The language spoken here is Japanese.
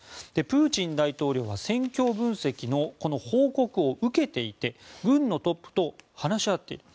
プーチン大統領は戦況分析の報告を受けていて軍のトップと話し合っている。